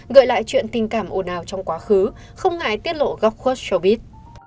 gợi lại chuyện tình cảm ồn ào trong quá khứ không ngại tiết lộ góc khuất cho biết